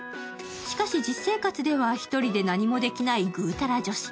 しかし、実生活では１人で何もできないぐうたら女子。